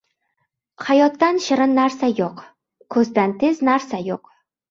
• Hayotdan shirin narsa yo‘q, ko‘zdan tez narsa yo‘q.